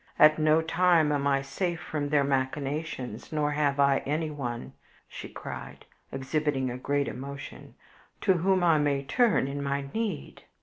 At no time am I safe from their machinations, nor have I anyone," cried she, exhibiting a great emotion, "to whom I may turn in my need.